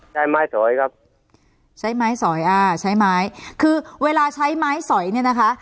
ใช้ไม้สอยครับใช้ไม้สอยอ่าใช้ไม้คือเวลาใช้ไม้สอยเนี่ยนะคะ